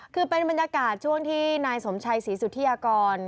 คือเป็นบรรยากาศช่วงที่นายสมชัยศรีสุธิยากร